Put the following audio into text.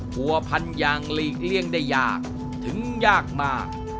ผัวพันอย่างหลีกเลี่ยงได้ยากถึงยากมาก